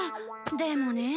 でもねえ